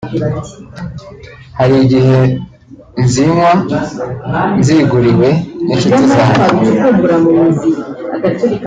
Hari igihe nzinywa nziguriwe n’inshuti zanjye